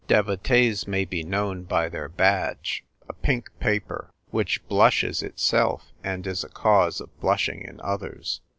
Devotees may be known by their badge, a pink paper, which blushes itself, and is a cause of blushing in others.